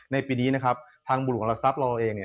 ในปีนี้ทางบุหรษัพท์เราเอง